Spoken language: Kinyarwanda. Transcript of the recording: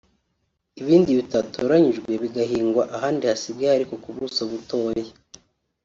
ibindi bitatoranyijwe bigahingwa ahandi hasigaye ariko ku buso butoya